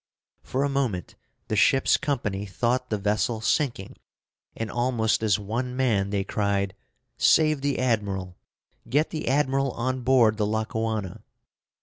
For a moment the ship's company thought the vessel sinking, and almost as one man they cried: "Save the admiral! get the admiral on board the Lackawanna."